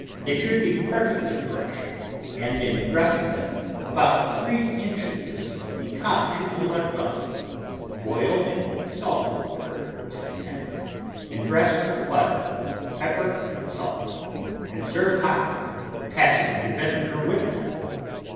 They should be perfectly fresh, and in dressing them, about three inches of the top should be left on. Boil in salted water until tender, and dress with butter, pepper and salt, and serve hot, passing the vinegar with them.